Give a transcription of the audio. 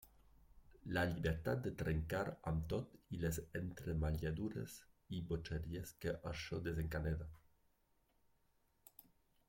La llibertat de trencar amb tot i les entremaliadures i bogeries que això desencadena.